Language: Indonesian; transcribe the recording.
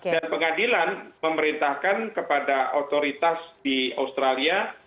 dan pengadilan memerintahkan kepada otoritas di australia